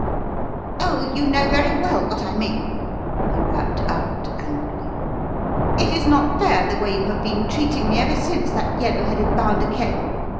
"Oh, you know very well what I mean," he rapped out angrily. "It is not fair the way you have been treating me ever since that yellow headed bounder came.